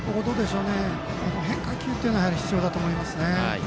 変化球というのはやはり必要だと思いますね。